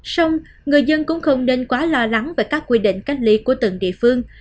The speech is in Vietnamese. xong người dân cũng không nên quá lo lắng về các quy định cách ly của từng địa phương